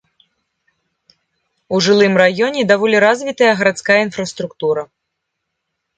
У жылым раёне даволі развітая гарадская інфраструктура.